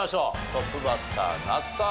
トップバッター那須さん